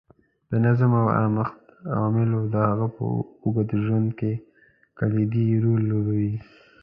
د نظم او ارامښت عواملو د هغې په اوږد ژوند کې کلیدي رول لوبولی.